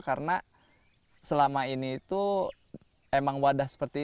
karena selama ini itu emang wadah seperti ini